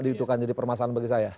itu kan jadi permasalahan bagi saya